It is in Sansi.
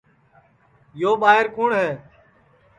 یو ٻائیر کُوٹؔ ہے